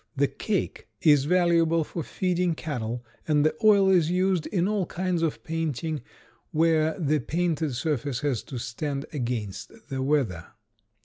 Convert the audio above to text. The cake is valuable for feeding cattle and the oil is used in all kinds of painting where the painted surface has to stand against the weather.